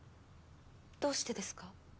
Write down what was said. どうしてですか？